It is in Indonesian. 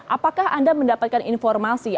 apakah anda mendapatkan informasi